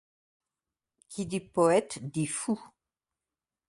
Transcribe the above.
Qui dit poète dit fou.